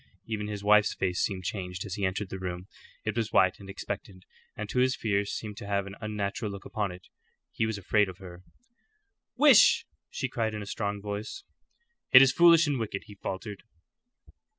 Even his wife's face seemed changed as he entered the room. It was white and expectant, and to his fears seemed to have an unnatural look upon it. He was afraid of her. "Wish!" she cried, in a strong voice. "It is foolish and wicked," he faltered.